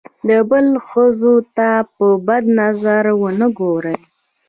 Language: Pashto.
د بل ښځو ته په بد نظر ونه ګوري.